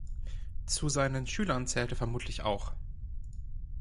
Zu seinen Schülern zählte vermutlich auch